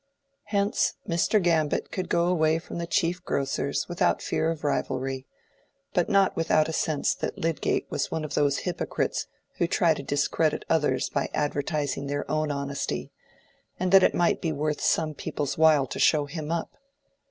Hence Mr. Gambit could go away from the chief grocer's without fear of rivalry, but not without a sense that Lydgate was one of those hypocrites who try to discredit others by advertising their own honesty, and that it might be worth some people's while to show him up.